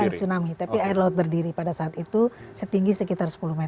bukan tsunami tapi air laut berdiri pada saat itu setinggi sekitar sepuluh meter